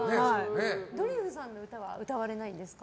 ドリフさんの歌は歌われないんですか？